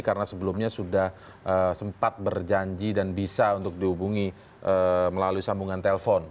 karena sebelumnya sudah sempat berjanji dan bisa untuk dihubungi melalui sambungan telpon